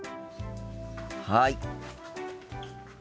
はい。